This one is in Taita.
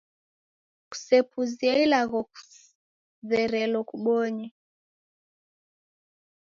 Kusepuzie ilagho kuzerelo kubonye.